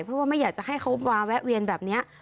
เพราะว่าไม่อยากจะให้เขามาแวะเวียนแบบนี้